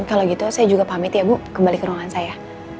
kalau gitu saya juga pamit ya bu kembali ke ruangan saya